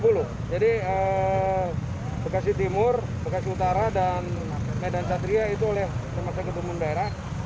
masing masing lima puluh jadi bekasi timur bekasi utara dan medan catria itu oleh pembangunan daerah